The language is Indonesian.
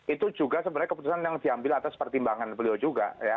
itu juga sebenarnya keputusan yang diambil atas pertimbangan beliau juga ya